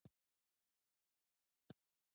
په ناول کې د سهارني لمر وړانګې ښکلې بیان شوې دي.